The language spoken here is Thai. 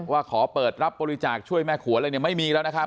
ว่าขอเปิดรับบริจาคช่วยแม่ขวนไม่มีแล้วนะครับ